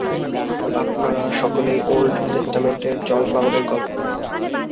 আপনারা সকলেই ওল্ড টেষ্টামেণ্টের জলপ্লাবনের গল্প জানেন।